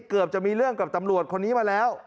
เกือบจะมีเรื่องกับตำรวจคนนี้มาแล้ว